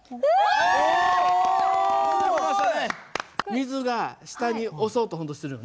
水が下に押そうとしてるよね。